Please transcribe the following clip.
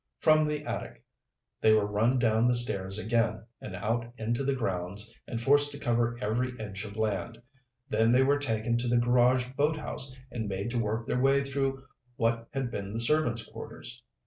From the attic they were run down the stairs again and out into the grounds and forced to cover every inch of land. Then they were taken to the garage boathouse and made to work their way through what had been the servants' quarters.